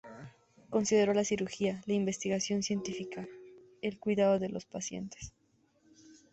Consideró la cirugía, la investigación científica, el cuidado de los pacientes.